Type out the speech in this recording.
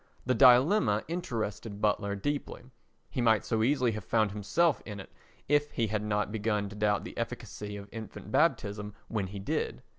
The dilemma interested Butler deeply: he might so easily have found himself in it if he had not begun to doubt the efficacy of infant baptism when he did.